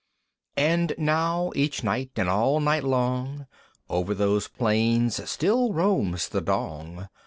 And now each night, and all night long, Over those plains still roams the Dong!